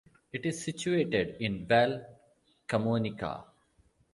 It is situated in Val Camonica.